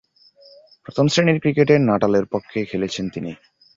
প্রথম-শ্রেণীর ক্রিকেটে নাটালের পক্ষে খেলেছেন তিনি।